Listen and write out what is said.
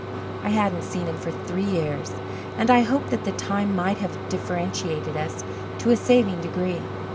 I hadn't seen him for three years and I hoped that the time might have differentiated us to a saving degree.